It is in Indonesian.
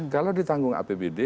kalau ditanggung apbd